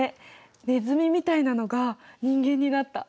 ネズミみたいなのが人間になった。